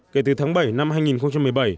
kể từ tháng bảy năm hai nghìn một mươi bảy